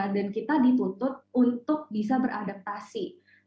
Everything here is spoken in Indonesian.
dan kita dituntut untuk bisa beradaptasi